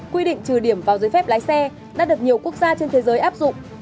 quy định trừ điểm vào giới phép lái xe đã được nhiều quốc gia trên thế giới áp dụng